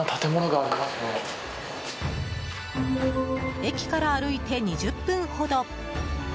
駅から歩いて２０分ほど。